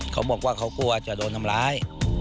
เขาบอกว่าเขากลัวจะโดนทำร้าย